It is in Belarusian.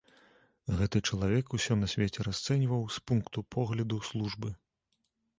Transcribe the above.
Гэты чалавек усё на свеце расцэньваў з пункту погляду службы.